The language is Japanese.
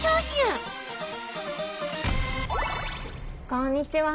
こんにちは。